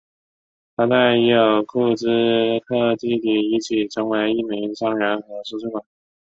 他在伊尔库茨克与弟弟一起成为一名商人和收税官。